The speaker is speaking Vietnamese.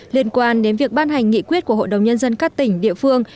liên quan đến việc ban hành nghị quyết của hội đồng nhân dân các tỉnh địa phương